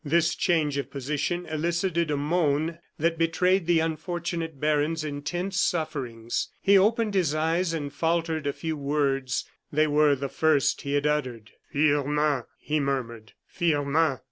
This change of position elicited a moan that betrayed the unfortunate baron's intense sufferings. He opened his eyes and faltered a few words they were the first he had uttered. "Firmin!" he murmured, "Firmin!"